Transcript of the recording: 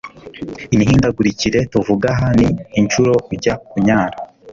Imihindagurikire tuvuga aha ni inshuro ujya kunyara,